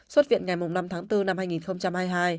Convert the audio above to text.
xuất viện ngày năm tháng bốn năm hai nghìn hai mươi hai